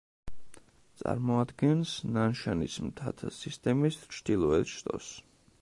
წარმოადგენს ნანშანის მთათა სისტემის ჩრდილოეთ შტოს.